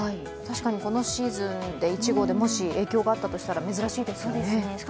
確かにこのシーズンで１号で影響があったらとしたら、珍しいですね